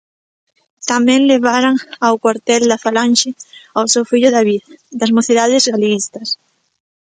Tamén levaran ao cuartel da falanxe ao seu fillo David, das mocidades galeguistas.